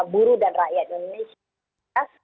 buruh dan rakyat indonesia